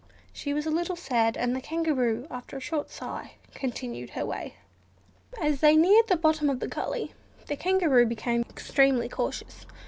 She was a little sad, and the Kangaroo, after a short sigh, continued her way. As they neared the bottom of the gully the Kangaroo became extremely cautious.